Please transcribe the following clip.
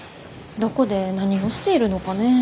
どこで何をしているのかねぇ。